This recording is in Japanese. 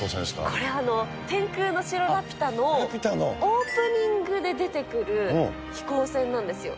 これ、天空の城ラピュタのオープニングで出てくる飛行船なんですよ。